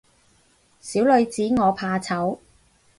小女子我怕醜